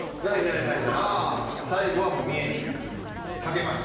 最後はもう三重に賭けます。